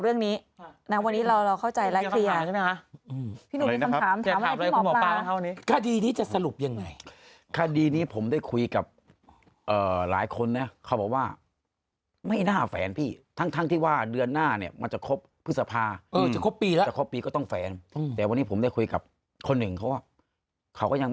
คือเปรียบเทียบให้ฟังว่าเออถ้าคุณเป็นวิญญาณ